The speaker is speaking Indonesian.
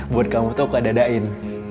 buat kamu tuh aku ada adain